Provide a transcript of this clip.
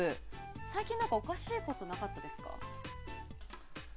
最近、何かおかしいことなかったですか？